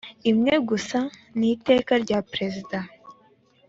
imwe gusa n iteka rya perezida